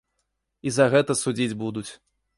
І за гэта судзіць будуць.